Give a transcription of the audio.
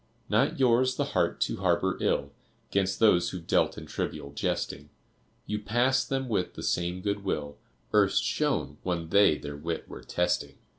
Not yours the heart to harbor ill 'Gainst those who've dealt in trivial jesting; You pass them with the same good will Erst shown when they their wit were testing.